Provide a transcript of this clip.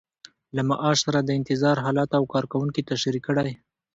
له معاش سره د انتظار حالت او کارکوونکي تشریح کړئ.